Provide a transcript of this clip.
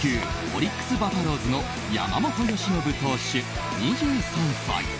オリックスバファローズの山本由伸投手、２３歳。